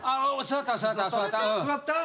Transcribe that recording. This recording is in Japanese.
座った？